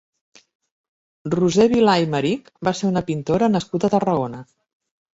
Roser Vilar Aymerich va ser una pintora nascuda a Tarragona.